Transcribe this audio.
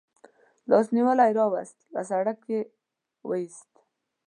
لاس نیولی راوست، له سړک یې و ایست.